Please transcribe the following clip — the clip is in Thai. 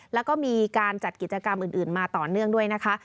แล้วก็มีการจัดกิจกรรมอื่นมาต่อเนื่องด้วยนะคะ